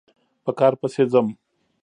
په کار پسې ځم